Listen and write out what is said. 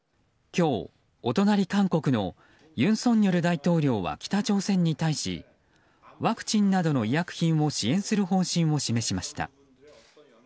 今日お隣、韓国の尹錫悦大統領は北朝鮮に対しワクチンなどの医薬品を支援する方針を示しました。